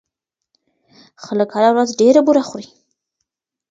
خلک هره ورځ ډېره بوره خوري.